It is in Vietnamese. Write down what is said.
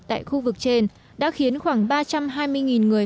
tại khu vực trên đã khiến khoảng ba trăm hai mươi người